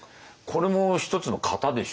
これも１つの型でしょうね。